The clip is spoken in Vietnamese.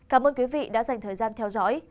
cảm ơn quý vị đã dành thời gian theo dõi